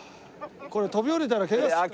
これ飛び降りたらケガする？